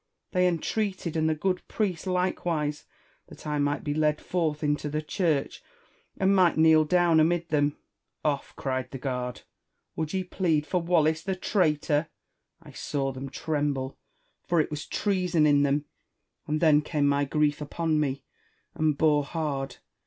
They entreated, and the good priest likewise, that I might be led forth into the church, and might kneel down amid them. " Off," cried the guard ;" would ye plead for Wallace the traitor 1" I saw them tremble, for it was WALLACE AND KING EDlVARD I. 113 treason in them ; and then came my grief upon me, and bore hard.